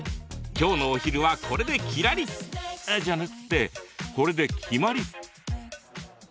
きょうのお昼は、これでキラリじゃなくって、これで決まり。